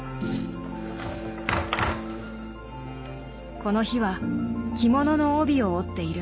この日は着物の帯を織っているんだよ。